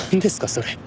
それ。